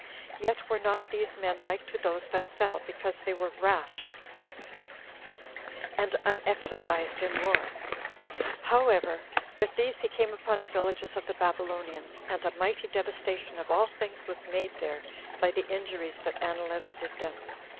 Yet were not these men like to those that fell, because they were rash, and unexercised in war; however, with these he came upon the villages of the Babylonians, and a mighty devastation of all things was made there by the injuries that Anileus did them.